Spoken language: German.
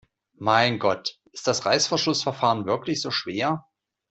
Mein Gott, ist das Reißverschlussverfahren wirklich so schwer?